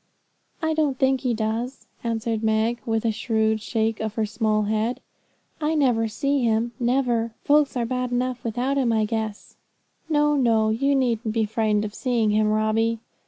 'I don't think he does,' answered Meg, with a shrewd shake of her small head; 'I never see him, never. Folks are bad enough without him, I guess. No, no; you needn't be frightened of seeing him, Robbie.'